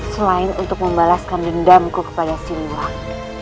selain untuk membalaskan dendamku kepada siliwang